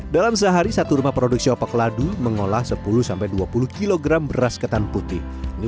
dalam sehari satu rumah produksi opak ladu mengolah sepuluh dua puluh kg beras ketan putih